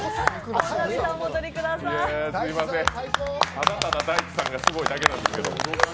ただただ、Ｄａｉｃｈｉさんがすごいだけなんですけど。